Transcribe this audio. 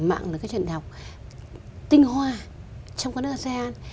mạng là cái trường đạo tinh hoa trong cái nước asean